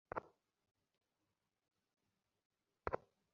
দেখো, তোমার জন্য ওকে ছেড়ে দিচ্ছি।